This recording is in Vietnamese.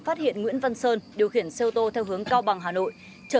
phát hiện nguyễn văn sơn điều khiển xe ô tô theo hướng cao bằng hà nội